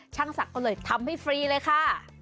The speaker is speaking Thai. ช่างศักดิ์ก็เลยทำให้ฟรีเลยค่ะ